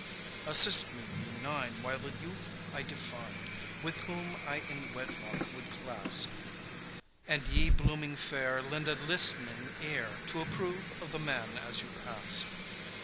Assist me, ye Nine, While the youth I define, With whom I in wedlock would class; And ye blooming fair, Lend a listening ear, To approve of the man as you pass.